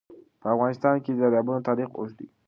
په افغانستان کې د دریابونه تاریخ اوږد دی.